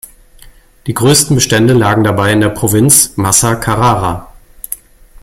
Die größten Bestände lagen dabei in der Provinz Massa-Carrara.